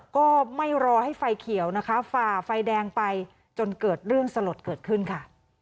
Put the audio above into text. ก็ไม่รอให้ไฟเขียวนะคะฝ่าไฟแดงไปจนเกิดเรื่องสลดเกิดขึ้นค่ะ